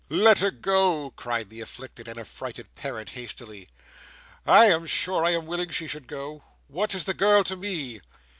"Let her go!" cried the afflicted and affrighted parent, hastily. "I am sure I am willing she should go. What is the girl to me?"